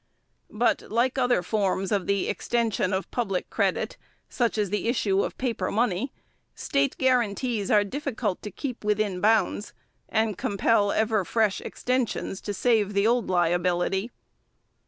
But, like other forms of the extension of public credit, such as the issue of paper money, state guarantees are difficult to keep within bounds, and compel ever fresh extensions to save the old liability.